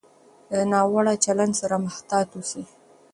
د ناوړه چلند سره محتاط اوسئ.